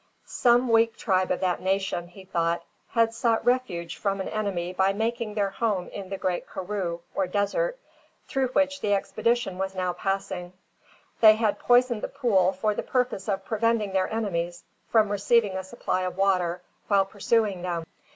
Some weak tribe of that nation, he thought, had sought refuge from an enemy by making their home in the great karroo, or desert, through which the expedition was now passing. They had poisoned the pool for the purpose of preventing their enemies from receiving a supply of water while pursuing them.